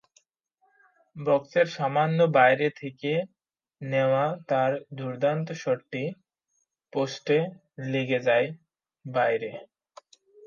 বক্সের সামান্য বাইরে থেকে নেওয়া তাঁর দুর্দান্ত শটটি পোস্টে লেগে যায় বাইরে।